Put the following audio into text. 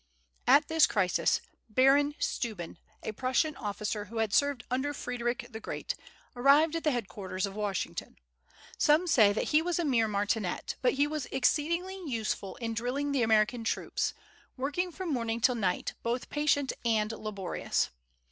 At this crisis, Baron Steuben, a Prussian officer who had served under Frederic the Great, arrived at the headquarters of Washington. Some say that he was a mere martinet, but he was exceedingly useful in drilling the American troops, working from morning till night, both patient and laborious.